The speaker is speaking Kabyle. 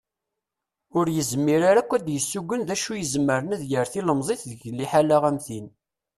Ur yezmir ara akk ad yessugen d acu i izemren ad yerr tilemẓit deg liḥala am tin.